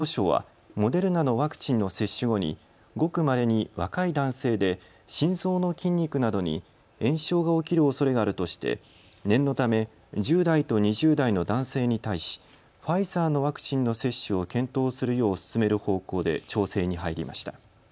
一方、厚生労働省はモデルナのワクチンの接種後にごくまれに若い男性で心臓の筋肉などに炎症が起きるおそれがあるとして念のため１０代と２０代の男性に対しファイザーのワクチンの接種を検討するよう勧める方向で調整に入りました。